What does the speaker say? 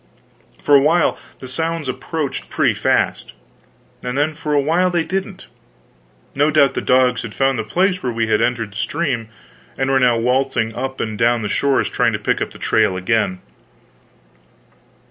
For a while the sounds approached pretty fast. And then for another while they didn't. No doubt the dogs had found the place where we had entered the stream, and were now waltzing up and down the shores trying to pick up the trail again.